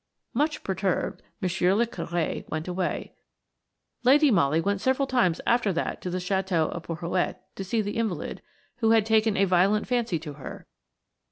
Much perturbed, monsieur le Curé went away. Lady Molly went several times after that to the château of Porhoët to see the invalid, who had taken a violent fancy to her.